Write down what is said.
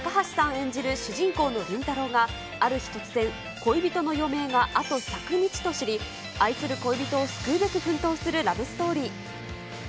演じる主人公の林太郎が、ある日突然、恋人の余命があと１００日と知り、愛する恋人を救うべく奮闘するラブストーリー。